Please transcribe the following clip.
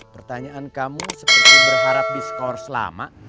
pertanyaan kamu seperti berharap diskors lama